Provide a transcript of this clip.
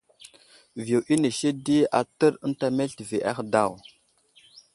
Viyo inisi di atəɗ ənta meltivi ahe daw.